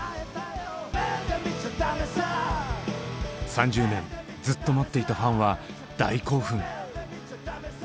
３０年ずっと待っていたファンは大興奮！